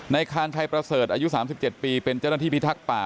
คานชัยประเสริฐอายุ๓๗ปีเป็นเจ้าหน้าที่พิทักษ์ป่า